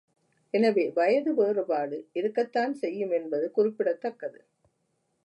எனவே வயது வேறுபாடு இருக்கத்தான் செய்யும் என்பது குறிப்பிடத் தக்கது.